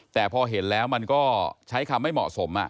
แต่พอเห็นแล้วมันก็ใช้คำไม่เหมาะสม